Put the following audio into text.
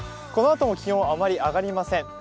このあとも気温はあまり上がりません。